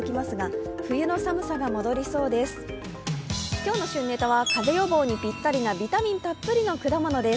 今日の旬ネタは風邪予防にぴったりなビタミンたっぷりの果物です。